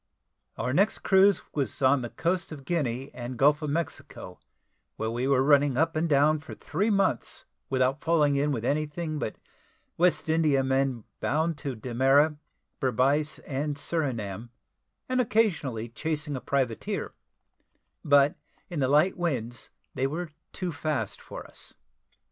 Our next cruise was on the coast of Guinea and Gulf of Mexico where we were running up and down for three months, without falling in with anything but West Indiamen bound to Demerara, Berbice, and Surinam, and occasionally chasing a privateer; but in the light winds they were too fast for us.